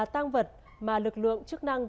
tăng vật mà lực lượng chức năng